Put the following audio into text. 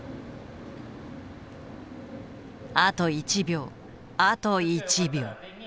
あと１秒あと１秒。